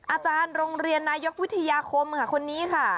อาจารย์โรงเรียนนายกวิทยาคมค่ะคนนี้ค่ะ